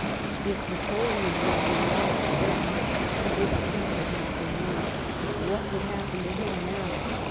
If Napoleon would have been " lost " then, if peace had not been made, what would happen to him now